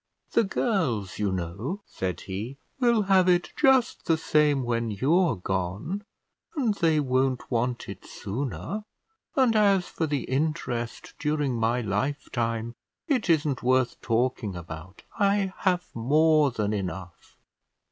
"The girls, you know," said he, "will have it just the same when you're gone, and they won't want it sooner; and as for the interest during my lifetime, it isn't worth talking about. I have more than enough."